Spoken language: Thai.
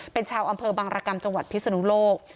เป็นชาวอำเภอบังระกัมจพิศนุโลก